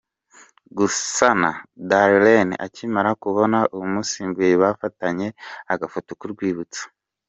Gasana Darlene akimara kubona umusimbuye bafatanye agafoto k'urwibutso.